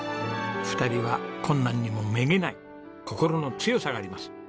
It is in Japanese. ２人は困難にもめげない心の強さがあります。